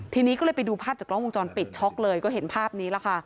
ทีนี้ก็เลยไปดูภาพจากกล้องวงจรปิดช็อกเลยก็เห็นภาพนี้แหละค่ะ